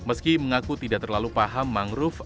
meski mengaku tidak terlalu paham mangrove